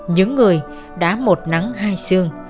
những người đã một nắng hai xương